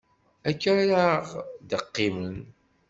Akka ara ɣ-deqqimen.